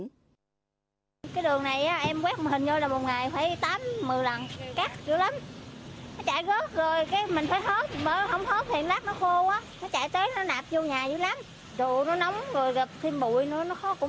cái đường này em quét một hình vô là một ngày phải tám một mươi lần cắt dữ lắm nó chạy rớt rồi mình phải hớt không hớt thì lát nó khô quá nó chạy tới nó nạp vô nhà dữ lắm đồ nó nóng rồi gặp thêm bụi nữa nó cũng khó chịu lắm nhưng mình cũng phải chịu thôi chứ giờ mình làm sao vậy